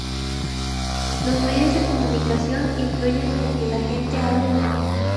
Los medios de comunicación influyen en que la gente hable o no.